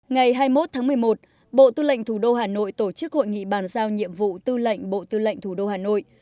ngày hai mươi một tháng một mươi một bộ tư lệnh thủ đô hà nội tổ chức hội nghị bàn giao nhiệm vụ tư lệnh bộ tư lệnh thủ đô hà nội